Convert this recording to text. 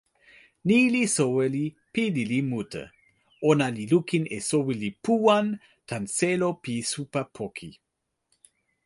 ni li soweli pi lili mute. ona li lukin e soweli Puwan tan selo pi supa poki.